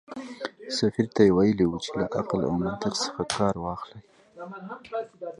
سفیر ته یې ویلي و چې له عقل او منطق څخه کار واخلي.